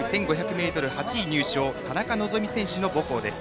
ｍ８位入賞田中希実選手の母校です。